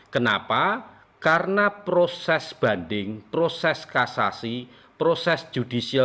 kenapa karena proses banding proses kasasi proses judicial